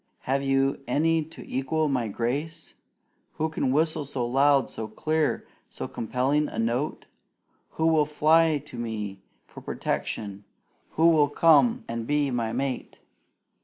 Have you any to equal my grace? Who can whistle so loud, so clear, so compelling a note? Who will fly to me for protection? Who will come and be my mate?"